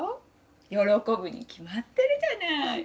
よろこぶにきまってるじゃない。